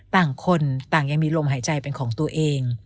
ต่างคนต่างยังมีลมหายใจเป็นของตัวเอง